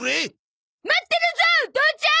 待ってるゾ父ちゃん！